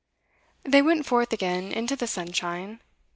They went forth again into the sunshine.